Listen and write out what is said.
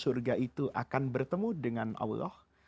surga itu akan bertemu dengan allah